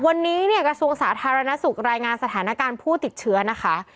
วันนี้เนี่ยกระทรวงสาธารณสุขรายงานสถานการณ์ผู้ติดเชื้อนะคะ